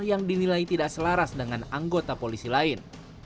yang dinilai tidak selaras dengan anggota polisi lain